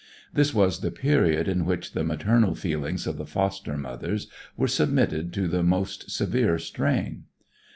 This was the period in which the maternal feelings of the foster mothers were submitted to the most severe strain.